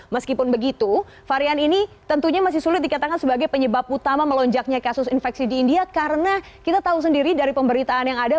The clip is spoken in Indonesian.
meskipun begitu varian ini tentunya masih sulit dikatakan sebagai penyebab utama melonjaknya kasus infeksi di india karena kita tahu sendiri dari pemberitaan yang ada